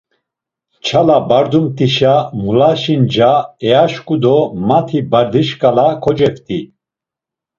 Nçala barbdumt̆işa mulaşi nca eyaşǩu do mati bardi şǩala koceft̆i.